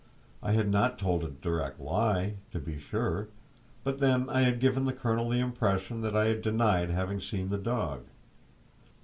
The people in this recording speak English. I had not told a direct lie, to be sure, but then I had given the colonel the impression that I had denied having seen the dog.